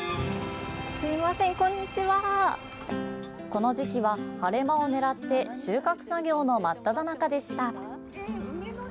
この時期は、晴れ間を狙って収穫作業の真っただ中でした。